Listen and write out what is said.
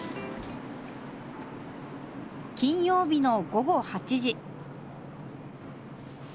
金曜日の午後８時。